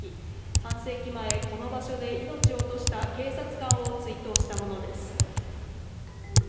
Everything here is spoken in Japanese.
半世紀前、この場所で命を落とした警察官を追悼したものです。